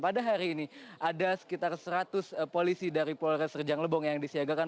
pada hari ini ada sekitar seratus polisi dari polres rejang lebong yang disiagakan